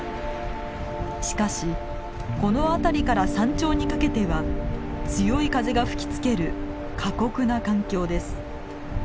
しかしこの辺りから山頂にかけては強い風が吹きつける過酷な環境です。